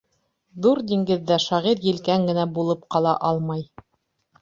Ҙур диңгеҙҙә шағир елкән генә булып ҡала алмай.